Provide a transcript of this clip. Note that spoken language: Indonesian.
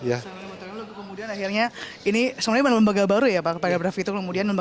akhirnya ini sebenarnya menembagal baru ya pak trewan